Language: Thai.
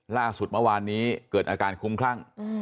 ล่าสุดเมื่อวานนี้เกิดอาการคุ้มคลั่ง